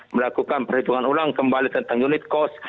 melakukan perhitungan ulang kembali tentang unit cost